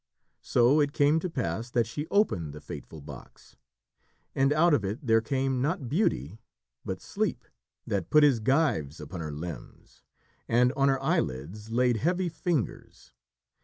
So it came to pass that she opened the fateful box. And out of it there came not Beauty, but Sleep, that put his gyves upon her limbs, and on her eyelids laid heavy fingers.